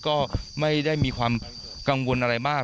ก็ไม่ได้มีความกังวลอะไรมาก